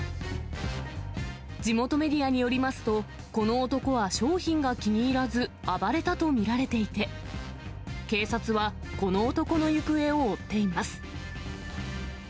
地元メディアによりますと、この男は商品が気に入らず、暴れたと見られていて、警察は、この男の行方を追っています。